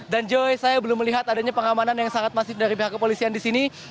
dan joy saya belum melihat adanya pengamanan yang sangat masif dari pihak kepolisian di sini